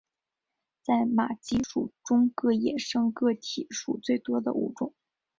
在马鸡属中个野生个体数最多的物种。